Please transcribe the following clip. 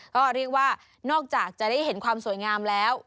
ก็เรียกว่านอกจากจะได้เห็นความสวยงามแล้ว